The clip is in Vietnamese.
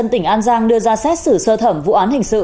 tỉnh an giang đưa ra xét xử sơ thẩm vụ án hình sự